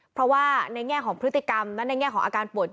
เพราะว่าในแง่ของพฤติกรรมและในแง่ของอาการปวด